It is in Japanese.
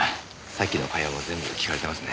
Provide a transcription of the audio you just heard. さっきの会話も全部聞かれてますね。